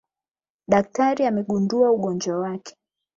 Daktari amegundua ugonjwa wake